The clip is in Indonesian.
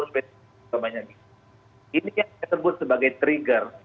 ini yang saya sebut sebagai trigger